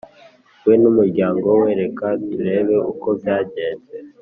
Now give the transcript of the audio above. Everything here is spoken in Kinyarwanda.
We n’umuryango we reka turebe uko byagenze